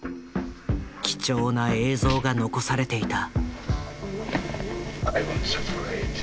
貴重な映像が残されていた。